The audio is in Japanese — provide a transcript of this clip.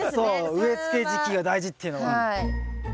植えつけ時期が大事っていうのは。